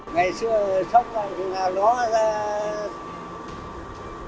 ngày xưa sắp làm thứ nào đó